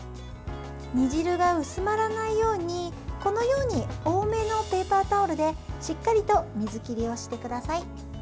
煮汁が薄まらないように多めのペーパータオルでしっかりと水切りをしてください。